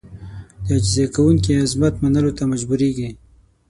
د عاجزي کوونکي عظمت منلو ته مجبورېږي.